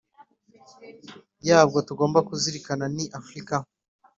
yabyo tugomba kuzirikana ni iyi Afurika